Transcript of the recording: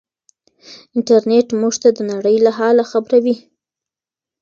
انټرنيټ موږ ته د نړۍ له حاله خبروي.